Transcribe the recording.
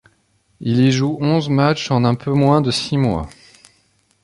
Il y joue onze matches en un peu moins de six mois.